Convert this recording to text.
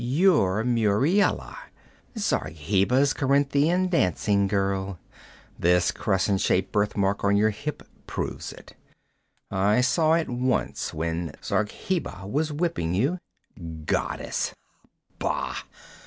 You're Muriela, Zargheba's Corinthian dancing girl. This crescent shaped birthmark on your hip proves it. I saw it once when Zargheba was whipping you. Goddess! Bah!'